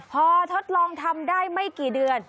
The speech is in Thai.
พอทดลองทำได้ไม่กี่เดือน